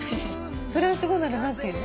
フランス語ならなんて言うの？